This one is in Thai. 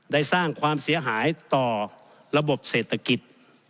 ได้สร้างความเสียหายต่อระบบเศรษฐกิจ